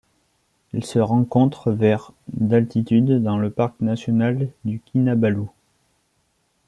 Elle se rencontre vers d'altitude dans le parc national du Kinabalu.